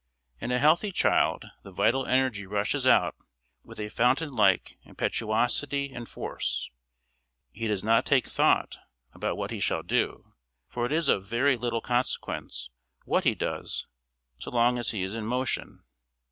In a healthy child the vital energy rushes out with a fountain like impetuosity and force; he does not take thought about what he shall do, for it is of very little consequence what he does so long as he is in motion.